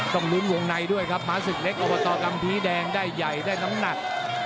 ต้องลุ้นวงในด้วยครับม้าศึกเล็กอบตกังพีแดงได้ใหญ่ได้น้ำหนัก